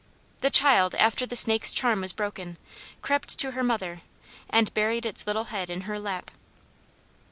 The child, after the snake's charm was broken, crept to her mother and buried its little head in her lap.